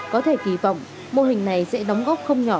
có thể kỳ vọng mô hình này sẽ đóng góp không nhỏ